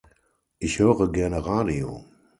Ich höre gerne Radio.